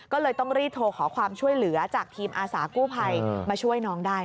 ก็เลยต้องรีบโทรขอความช่วยเหลือจากทีมอาสากู้ภัยมาช่วยน้องได้